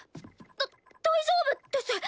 だ大丈夫です。